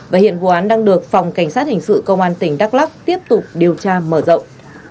và hiện vụ án đang được phòng cảnh sát hình sự công an tỉnh đắk lắc tiếp tục điều tra mở rộng